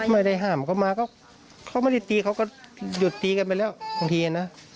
ไม่ได้ห้ามเขามาก็เขาไม่ได้ตีเขาก็หยุดตีกันไปแล้วบางทีนะ